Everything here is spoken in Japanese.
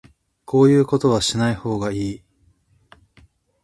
こういうことはしない方がいい